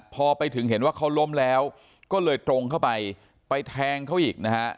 พอไปถึงเห็นว่าเขาล้มแล้วก็เลยตรงเข้าไปไปแทงเขาอีกนะฮะ